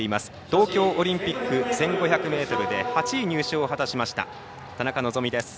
東京オリンピック１５００ｍで８位入賞を果たしました田中希実です。